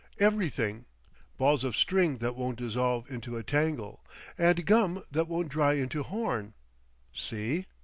Everything. Balls of string that won't dissolve into a tangle, and gum that won't dry into horn. See?